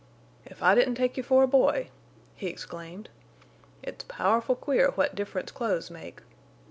"If I didn't take you for a boy!" he exclaimed. "It's powerful queer what difference clothes make.